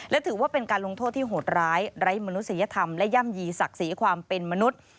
และถือว่าเป็นการลงโทษที่โหดร้ายไร้มนุษยธรรมและย่ำยีศักดิ์ศรีความเป็นมนุษย์